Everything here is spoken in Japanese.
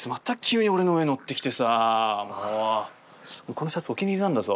このシャツお気に入りなんだぞ。